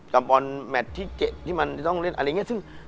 กลับบอลแมทที่มันต้องเล่นอะไรอย่างนี้